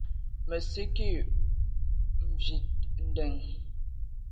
Mə sə kig mvɔi nden.